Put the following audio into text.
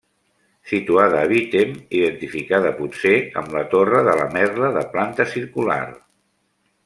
Situada a Bítem, identificada potser amb la torre de la Merla, de planta circular.